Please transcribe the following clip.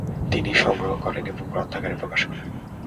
তিনি সংগ্রহ করেন এবং গ্রন্থাকারে প্রকাশ করেন।